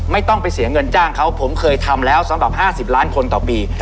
ไม่ต้องไปเสียเงินจ้างเขาผมเคยทำแล้วสำหรับ๕๐ล้านคนต่อปี